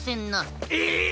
えっ！